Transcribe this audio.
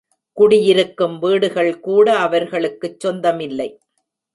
குடியிருக்கும் வீடுகள் கூட அவர்களுக்குச் சொந்தமில்லை.